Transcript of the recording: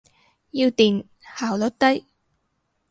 要電，效率低。